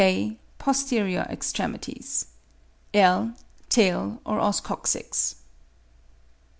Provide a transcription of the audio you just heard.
K. Posterior extremities. L. Tail or os coccyx.